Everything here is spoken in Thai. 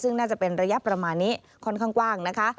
ซึ่งน่าจะเป็นระยะประมาณนี้ค่อนข้างกว้างนะคะ